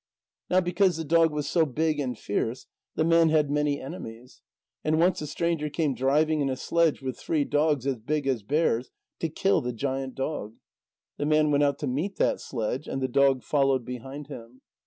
Now because the dog was so big and fierce, the man had many enemies. And once a stranger came driving in a sledge with three dogs as big as bears, to kill the giant dog. The man went out to meet that sledge, and the dog followed behind him.